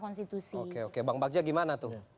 oke bang bagja gimana tuh